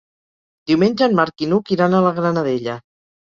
Diumenge en Marc i n'Hug iran a la Granadella.